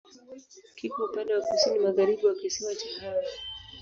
Kiko upande wa kusini-magharibi wa kisiwa cha Hao.